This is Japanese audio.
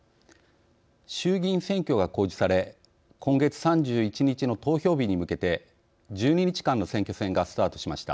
衆議院選挙が公示され今月３１日の投票日に向けて１２日間の選挙戦がスタートしました。